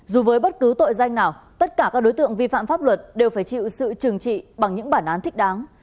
dù với bất cứ tội danh nào tất cả các đối tượng vi phạm pháp luật đều phải chịu sự trừng trị bằng những bản án thích đáng